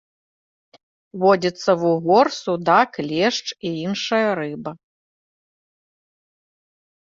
Водзіцца вугор, судак, лешч і іншая рыба.